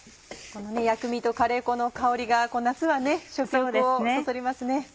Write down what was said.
薬味とカレー粉の香りが夏は食欲をそそりますね。